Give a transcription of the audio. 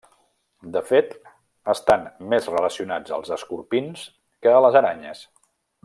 De fet estan més relacionats als escorpins que a les aranyes.